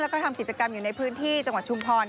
แล้วก็ทำกิจกรรมอยู่ในพื้นที่จังหวัดชุมพร